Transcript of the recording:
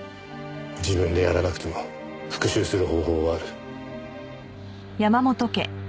自分でやらなくても復讐する方法はある。